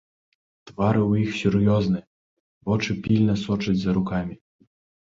Твары ў іх сур'ёзныя, вочы пільна сочаць за рукамі.